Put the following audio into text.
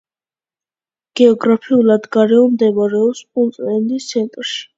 გეოგრაფიულად გაროუე მდებარეობს პუნტლენდის ცენტრში.